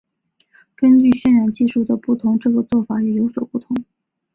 根据渲染技术的不同这个做法也有所不同。